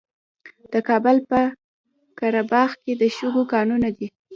د کابل په قره باغ کې د شګو کانونه دي.